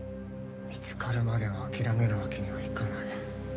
見つかるまでは諦めるわけにはいかない